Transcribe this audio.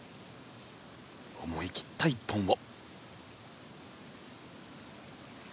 思い切った１本を。